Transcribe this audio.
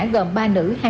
gồm ba nữ